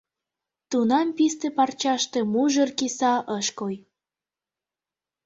Тунам писте парчаште мужыр киса ыш кой.